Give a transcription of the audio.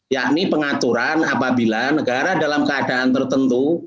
yakni pengaturan apabila negara dalam keadaan tertentu